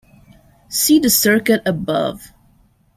See the circuit above.